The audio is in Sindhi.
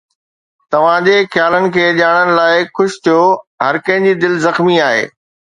توهان جي خيالن کي ڄاڻڻ لاء خوش ٿيو. هر ڪنهن جي دل زخمي آهي